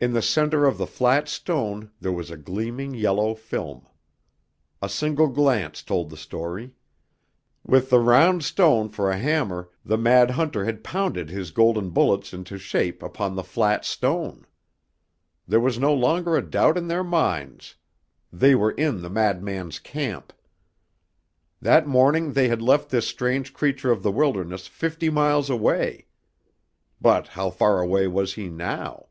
In the center of the flat stone there was a gleaming yellow film. A single glance told the story. With the round stone for a hammer the mad hunter had pounded his golden bullets into shape upon the flat stone! There was no longer a doubt in their minds; they were in the madman's camp. That morning they had left this strange creature of the wilderness fifty miles away. But how far away was he now?